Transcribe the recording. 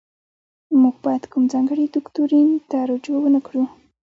موږ باید کوم ځانګړي دوکتورین ته رجوع ونکړو.